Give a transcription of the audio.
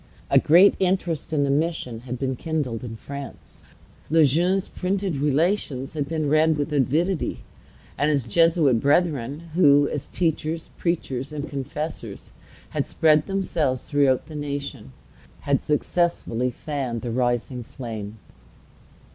A great interest in the mission had been kindled in France. Le Jeune's printed Relations had been read with avidity; and his Jesuit brethren, who, as teachers, preachers, and confessors, had spread themselves through the nation, had successfully fanned the rising flame.